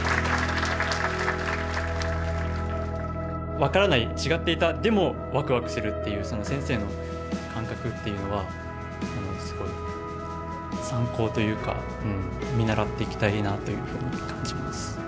分からない違っていたでもワクワクするっていうその先生の感覚っていうのはすごい参考というか見習っていきたいなというふうに感じます。